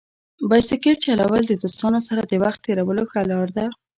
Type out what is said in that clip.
بایسکل چلول د دوستانو سره د وخت تېرولو ښه لار ده.